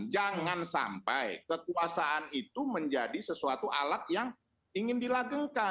jangan sampai kekuasaan itu menjadi sesuatu alat yang ingin dilagengkan